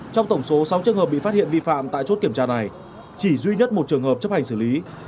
trong tổng số sáu trường hợp bị phát hiện vi phạm tại chốt kiểm tra này chỉ duy nhất một trường hợp chấp hành xử lý